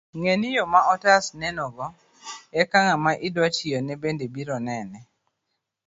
Ng'eni, yo ma otas nenogo, eka ng'ama idwa tiyone bende biro neni